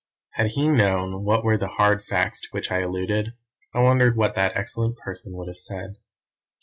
Had he known what were the hard facts to which I alluded, I wonder what that excellent person would have said?